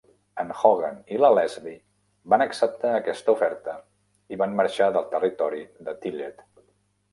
En Hogan i la Leslie van acceptar aquesta oferta i van marxar del territori de Tillet.